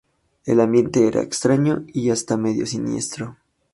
El ambiente era extraño y hasta medio siniestro.